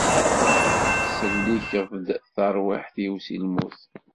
Tsellkeḍ-d tarwiḥt-iw si lmut.